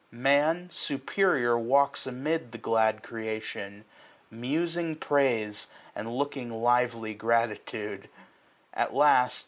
Man superior walks Amid the glad creation, musing praise, 170 And looking lively gratitude. At last.